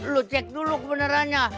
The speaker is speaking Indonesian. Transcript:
lo cek dulu kebenarannya